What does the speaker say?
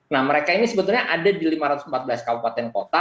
nah mereka ini sebetulnya ada di lima ratus empat belas kabupaten kota